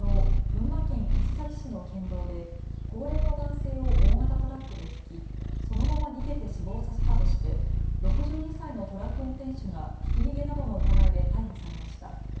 群馬県伊勢崎市の県道で高齢の男性を大型トラックでひき、そのまま逃げて死亡させたとして６２歳のトラック運転手がひき逃げなどの疑いで逮捕されました。